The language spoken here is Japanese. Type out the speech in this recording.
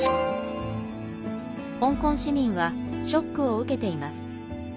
香港市民はショックを受けています。